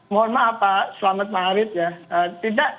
mohon maaf pak selamat maharid ya